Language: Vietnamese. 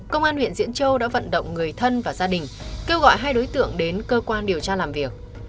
công an huyện diễn châu đã vận động người thân và gia đình kêu gọi hai đối tượng đến cơ quan điều tra làm việc